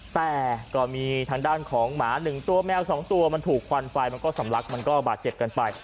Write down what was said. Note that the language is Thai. แต่ก็มีทางด้านของหมา๑ตัวแมว๒ตัวมันถูกควันไฟมันก็สำลักมันก็บาดเจ็บกันไป